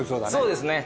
そうですね。